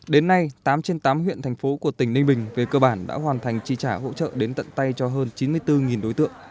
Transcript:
đến nay tám trên tám huyện thành phố của tỉnh ninh bình về cơ bản đã hoàn thành chi trả hỗ trợ đến tận tay cho hơn chín mươi bốn đối tượng